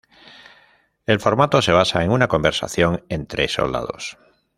El formato se basa en una conversación entre soldados.